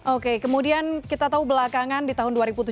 oke kemudian kita tahu belakangan di tahun dua ribu tujuh belas